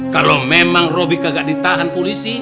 kalau memang roby kagak ditahan polisi